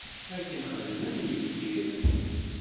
Akken xeddmen yetbiren.